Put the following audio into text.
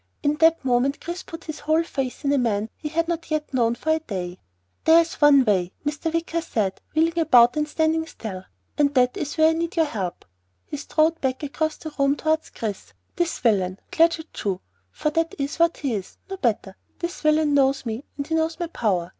In that moment Chris put his whole faith in a man he had not known yet for a day. "There is one way," Mr. Wicker said, wheeling about and standing still, "and that is where I need your help." He strode back across the room towards Chris. "This villain, Claggett Chew for that is what he is, no better this villain knows me and he knows my power.